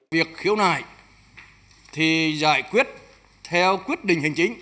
việc khiếu nại thì giải quyết theo quyết định hành chính